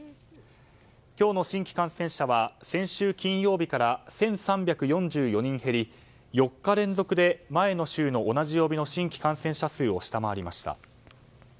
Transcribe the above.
今日の新規感染者は先週金曜日から１３４４人減り４日連続で前の週の同じ曜日の新規感染者数を下回りました。